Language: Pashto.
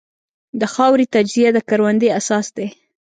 د خاورې تجزیه د کروندې اساس دی.